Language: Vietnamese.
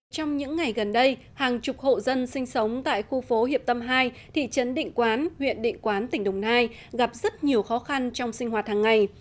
trong những ngày gần đây hàng chục hộ dân sinh sống tại khu phố hiệp tâm hai thị trấn định quán huyện định quán tỉnh đồng nai gặp rất nhiều khó khăn trong sinh hoạt hàng ngày